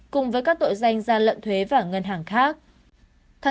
cùng với các tội danh gian lận thuế và ngân hàng khác